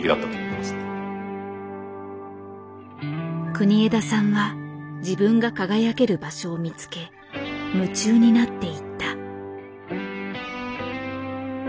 国枝さんは自分が輝ける場所を見つけ夢中になっていった。